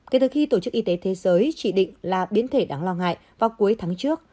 kể từ khi tổ chức y tế thế giới chỉ định là biến thể đáng lo ngại vào cuối tháng trước